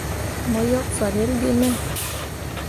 Mo yok farelle gi me.